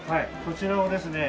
こちらをですね